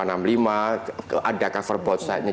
jadi disitu kemudian saya membaca buku buku